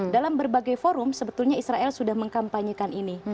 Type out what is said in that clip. dalam berbagai forum sebetulnya israel sudah mengkampanyekan ini